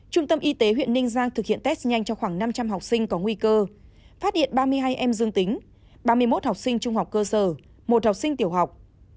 trung tâm y tế huyện ninh giang thực hiện test nhanh cho khoảng năm trăm linh học sinh có nguy cơ phát hiện ba mươi hai em dương tính ba mươi một học sinh trung học cơ sở một học sinh tiểu học